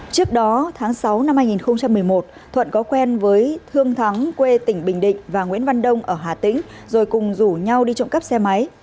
trước đó tháng sáu năm hai nghìn một mươi một thuận có quen với thương thắng quê tỉnh bình định và nguyễn văn đông ở hà tĩnh rồi cùng rủ nhau đi trộm cắp xe máy